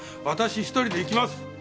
私１人で行きます。